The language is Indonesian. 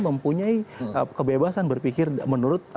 mempunyai kebebasan berpikir menurut